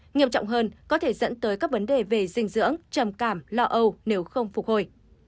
nghiêm trọng hơn có thể dẫn tới các vấn đề về dinh dưỡng trầm cảm lo âu nếu không phục hồi